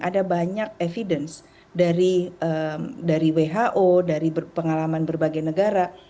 ada banyak evidence dari who dari pengalaman berbagai negara